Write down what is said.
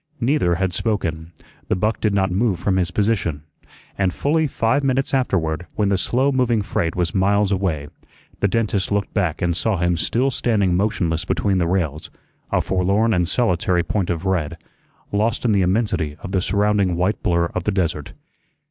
Neither had spoken; the buck did not move from his position, and fully five minutes afterward, when the slow moving freight was miles away, the dentist looked back and saw him still standing motionless between the rails, a forlorn and solitary point of red, lost in the immensity of the surrounding white blur of the desert.